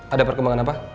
ada perkembangan apa